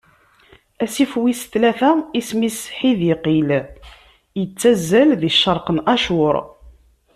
Asif wis tlata isem-is Ḥidiqil, ittazzal di ccerq n Acur.